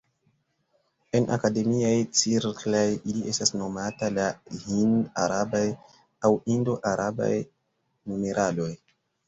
En akademiaj cirklaj ili estas nomata la "Hind-Arabaj" aŭ "Indo-Arabaj" numeraloj.